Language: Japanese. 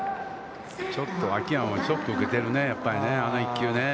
ちょっと秋山もショックを受けているね、あの１球ね。